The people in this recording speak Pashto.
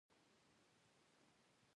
ټولو مخامخ غونډيو ته کتل.